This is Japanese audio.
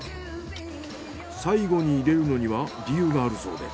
最後に入れるのには理由があるそうで。